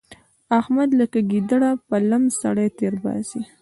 احمد لکه ګيدړه په لم سړی تېرباسي.